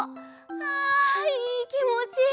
あいいきもち！